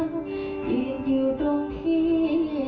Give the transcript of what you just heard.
ยืนอยู่ตรงที่เดิมแต่ไม่มีวิว